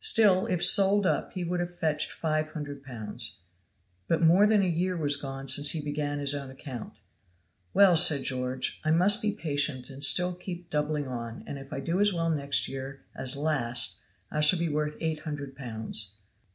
Still if sold up he would have fetched five hundred pounds. But more than a year was gone since he began on his own account. "Well," said George, "I must be patient and still keep doubling on, and if I do as well next year as last I shall be worth eight hundred pounds."